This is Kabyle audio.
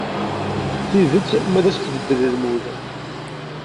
Tidet ma ad as-beddleɣ lmul.